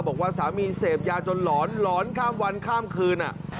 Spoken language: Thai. บอกว่าสามีเสพยาจนหลอนหลอนข้ามวันข้ามคืน